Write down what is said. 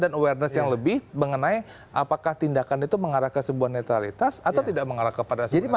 awareness yang lebih mengenai apakah tindakan itu mengarah ke sebuah netralitas atau tidak mengarah kepada sistem